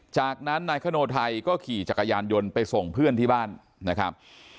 จากนั้นนายคโนไทยก็ขี่จักรยานยนต์ไปส่งเพื่อนที่บ้านนะครับ